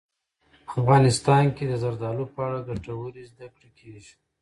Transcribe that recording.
افغانستان کې د زردالو په اړه ګټورې زده کړې کېږي.